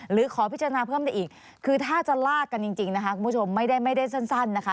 หรือขอพิจารณาเพิ่มได้อีกคือถ้าจะลากกันจริงนะคะคุณผู้ชมไม่ได้สั้นนะคะ